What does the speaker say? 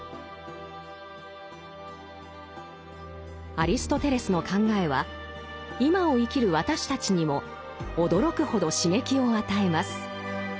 アリストテレスの考えは今を生きる私たちにも驚くほど刺激を与えます。